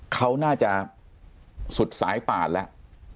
เขาน่าจะสุดสายป่านแล้ว